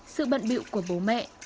sự bận biệu của bố mẹ